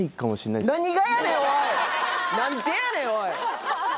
何でやねんおい！